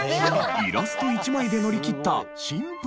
イラスト１枚で乗りきったシンプルなＣＭ。